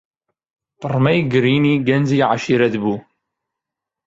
پڕمەی گرینی گەنجی عەشیرەت بوو.